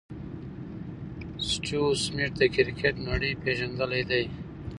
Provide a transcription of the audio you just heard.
سټیو سميټ د کرکټ نړۍ پېژندلی دئ.